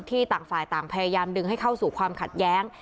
ต่างฝ่ายต่างพยายามดึงให้เข้าสู่ความขัดแย้ง